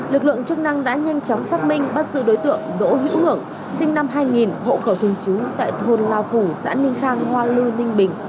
lực lượng chức năng đã nhanh chóng xác minh bắt giữ đối tượng đỗ hữu ngựa sinh năm hai nghìn hộ khẩu thường trú tại thôn lao phủ xã ninh khang hoa lư ninh bình